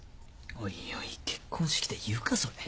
おいおい結婚式で言うかそれ。